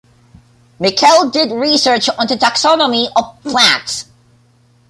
Miquel did research on the taxonomy of plants.